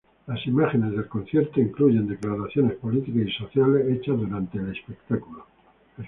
Las imágenes del concierto incluyen declaraciones políticas y sociales hechas durante los espectáculos.